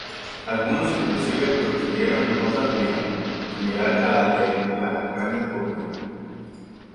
Algunos inclusive construyeron lujosas viviendas, similares a las de las grandes urbes.